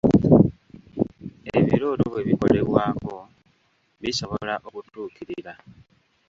Ebirooto bwe bikolebwako bisobola okutuukirira .